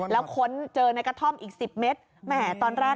แล้วค้นเจอในกระท่อมอีก๑๐เมตรแหมตอนแรก